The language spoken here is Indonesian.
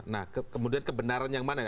nah kemudian kebenaran yang mana ya